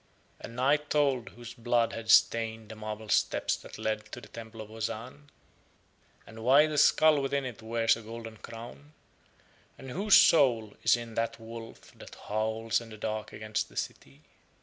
And Night told whose blood had stained the marble steps that lead to the temple in Ozahn, and why the skull within it wears a golden crown, and whose soul is in the wolf that howls in the dark against the city.